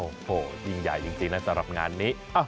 โอ้โหยิ่งใหญ่จริงนะสำหรับงานนี้